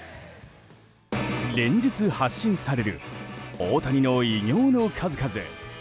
連日発信される大谷の偉業の数々。